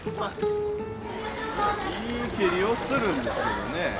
いい蹴りをするんですけどね。